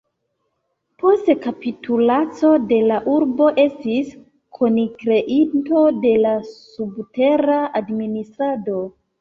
Post kapitulaco de la urbo estis kunkreinto de la subtera administrado.